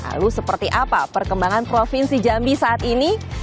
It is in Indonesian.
lalu seperti apa perkembangan provinsi jambi saat ini